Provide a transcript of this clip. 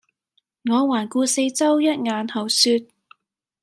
我環顧四周一眼後說